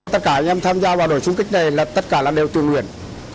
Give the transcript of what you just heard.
tất cả anh em tham gia vào đội xung kích này là tất cả là điều tuyên nguyện